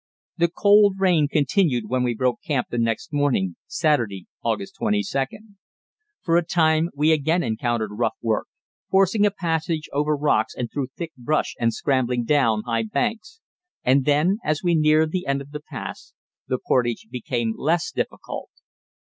The cold rain continued when we broke camp the next morning (Saturday, August 22). For a time we again encountered rough work, forcing a passage over rocks and through thick brush and scrambling down high banks, and then, as we neared the end of the pass, the portage became less difficult.